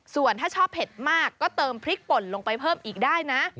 ส่วนถ้าชอบเผ็ดมากก็เติมพริกป่นลงไปเพิ่มอีกได้นะ